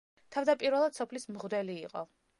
თავდაპირველად სოფლის მღვდელი იყო.